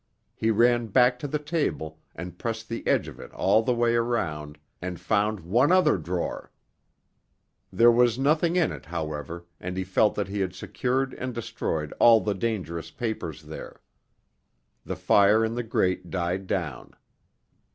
He ran back to the table and pressed the edge of it all the way around, and found one other drawer. There was nothing in it, however, and he felt that he had secured and destroyed all the dangerous papers there. The fire in the grate died down.